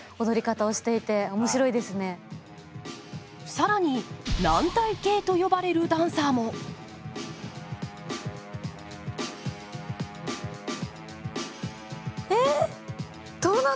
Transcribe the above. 更に「軟体系」と呼ばれるダンサーも。えっ！？